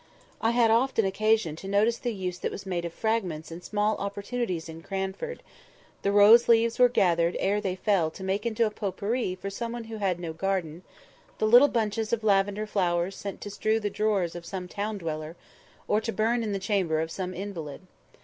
I had often occasion to notice the use that was made of fragments and small opportunities in Cranford; the rose leaves that were gathered ere they fell to make into a potpourri for someone who had no garden; the little bundles of lavender flowers sent to strew the drawers of some town dweller, or to burn in the chamber of some invalid.